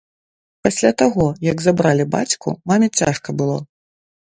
Пасля таго, як забралі бацьку, маме цяжка было.